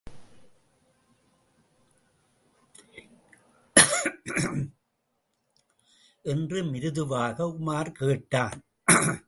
என்று மிருதுவாக உமார் கேட்டான்.